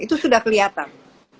itu sudah kelihatan